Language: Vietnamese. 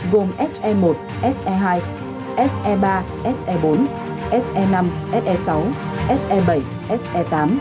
gồm se một se hai se ba se bốn se năm se sáu se bảy se tám